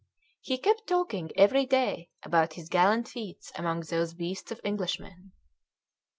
He kept talking every day about his gallant feats among those beasts of Englishmen.